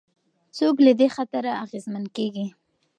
څوک له دې خطره اغېزمن کېږي؟